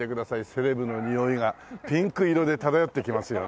セレブのにおいがピンク色で漂ってきますよね。